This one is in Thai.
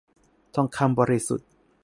ทองคำบริสุทธิ์